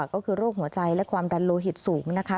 ก็คือโรคหัวใจและความดันโลหิตสูงนะคะ